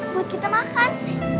buat kita makan